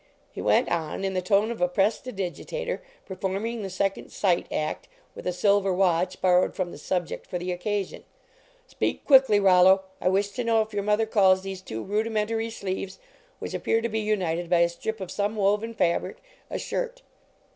he went on, in the tone of a prestidigitator performing the second sight act with a silver watch borrowed from the subject for the occasion "speak quickly, Rollo. I wish to know if your mother calls these two rudimentary sleeves, which appear to be united by a strip of some woven fabric, a shirt?